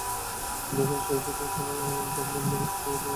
দুর্বার আসক্তিতে এ সময় তার মন-মগজ তীব্রভাবে আচ্ছন্ন হয়ে পড়ে।